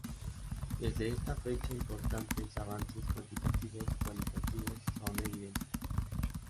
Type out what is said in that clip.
Desde esta fecha importantes avances cuantitativos y cualitativos son evidentes.